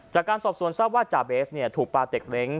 จากการสอบสวนทราบว่าจ่าเบสถูกปลาเต็กเล้ง